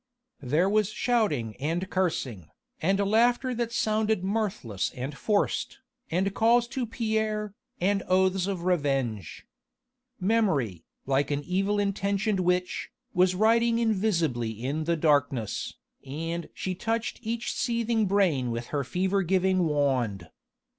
There was shouting and cursing, and laughter that sounded mirthless and forced, and calls to Pierre, and oaths of revenge. Memory, like an evil intentioned witch, was riding invisibly in the darkness, and she touched each seething brain with her fever giving wand.